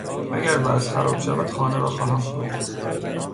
اگر وضع خراب شود، خانه را خواهم فروخت.